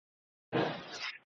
土米仔